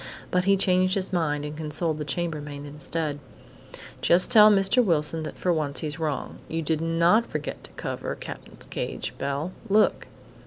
But he changed his mind and consoled the chambermaid instead: "Just tell Mr. Wilson that for once he's wrong. You did not forget to cover Cap'n's cage, Belle. Look!"